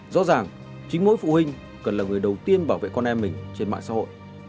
rõ ràng chính mỗi phụ huynh cần là người đầu tiên bảo vệ con em mình trên mạng xã hội